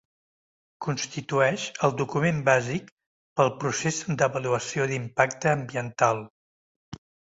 Constitueix el document bàsic pel procés d'avaluació d'impacte ambiental.